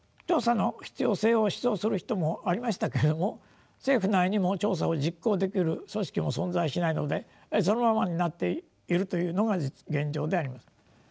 調査の必要性を主張する人もありましたけれども政府内にも調査を実行できる組織も存在しないのでそのままになっているというのが現状であります。